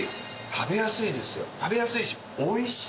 食べやすいしおいしい。